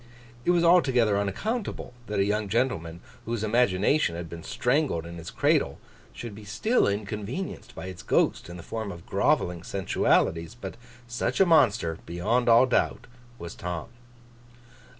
It was altogether unaccountable that a young gentleman whose imagination had been strangled in his cradle, should be still inconvenienced by its ghost in the form of grovelling sensualities; but such a monster, beyond all doubt, was Tom.